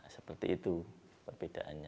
nah seperti itu perbedaannya